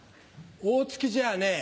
大月じゃあね